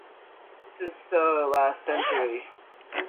This is so last century.